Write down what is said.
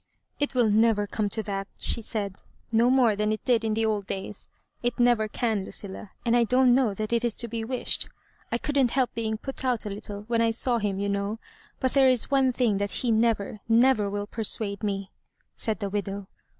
" It will never come to that," she said, " no more than it did in old days; it never can, Iju cilia ; and I dou!t know that it is to be wished. I couldn't help being put out a little when I saw him, you know; but there is one thing that he never, never will persuade me," said the widow.